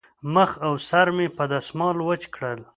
مخ او سر مې په دستمال وچ کړل.